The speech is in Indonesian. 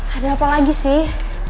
ada apa lagi sih